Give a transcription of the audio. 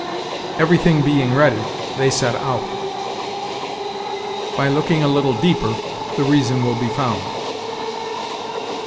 "Everything being ready, they set out." "By looking a little deeper, the reason will be found."